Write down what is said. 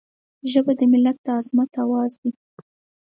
ژبه د ملت د عظمت آواز دی